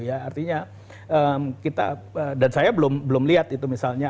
artinya kita dan saya belum lihat itu misalnya